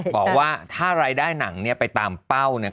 บอกว่าถ้ารายได้หนังเนี่ยไปตามเป้าเนี่ย